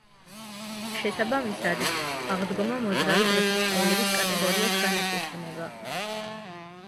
შესაბამისად, აღდგომა მოძრავი დღესასწაულების კატეგორიას განეკუთვნება.